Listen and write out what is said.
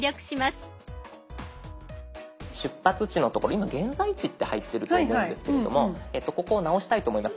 今現在地って入ってると思うんですけれどもここを直したいと思います。